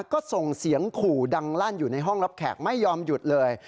ก็ส่งเสียงขู่ดังลั่นอยู่ในห้องรับแขกไม่ยอมหยุดเลย